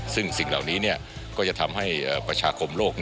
ซึ่งสิ่งเหล่านี้ก็จะทำให้ประชาคมโลก